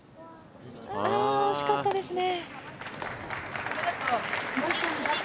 あおしかったですね。